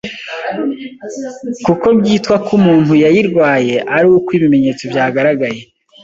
kuko byitwa ko umuntu yayirwaye ari uko ibimenyetso byagaragaye.